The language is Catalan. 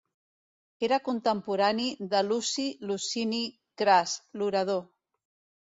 Era contemporani de Luci Licini Cras, l'orador.